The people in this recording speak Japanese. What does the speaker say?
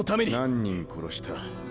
何人殺した？